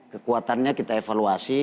kekuatannya kita evaluasi